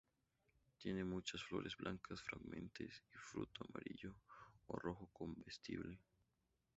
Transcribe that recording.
Tiene muchas flores blancas fragantes y fruto amarillo o rojo comestible.